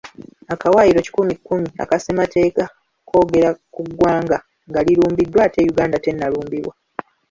Akawaayiro kikumi kkumi, aka ssemateeka kwogera ku ggwanga nga lirumbiddwa ate Uganda tennalumbibwa.